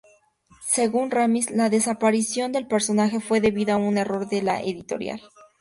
Según Ramis, la desaparición del personaje fue debida a un error de la editorial.